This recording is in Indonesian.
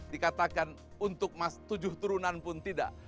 dikatakan untuk mas tujuh turunan pun tidak